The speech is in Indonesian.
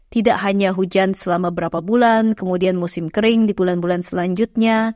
tidak hanya hujan selama berapa bulan kemudian musim kering di bulan bulan selanjutnya